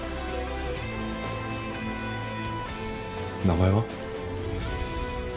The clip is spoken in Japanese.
名前は？